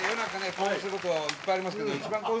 興奮することいっぱいありますけどね